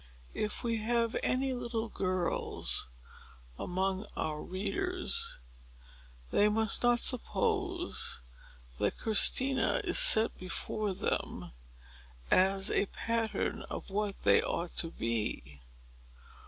If we have any little girls among our readers, they must not suppose that Christina is set before them as a pattern of what they ought to be.